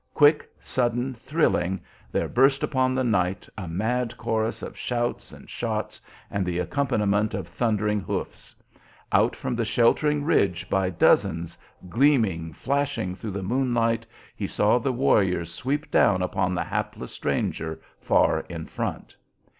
Quick, sudden, thrilling, there burst upon the night a mad chorus of shouts and shots and the accompaniment of thundering hoofs. Out from the sheltering ridge by dozens, gleaming, flashing through the moonlight, he saw the warriors sweep down upon the hapless stranger far in front.